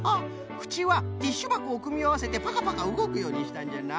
くちはティッシュばこをくみあわせてパカパカうごくようにしたんじゃな。